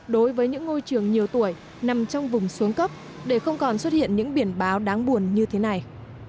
đối với những ngôi trường nhiều tuổi nằm trong vùng xuống cấp để không còn xuất hiện những biển báo đáng buồn như thế này